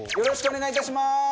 よろしくお願いします。